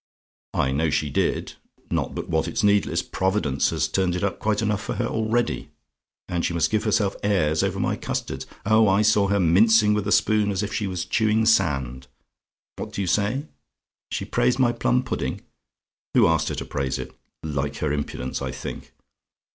"I know she did; not but what it's needless Providence has turned it up quite enough for her already. And she must give herself airs over my custards! Oh, I saw her mincing with the spoon as if she was chewing sand. What do you say? "SHE PRAISED MY PLUM PUDDING? "Who asked her to praise it? Like her impudence, I think!